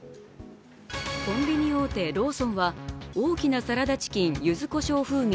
コンビニ大手・ローソンは大きなサラダチキン柚子こしょ風味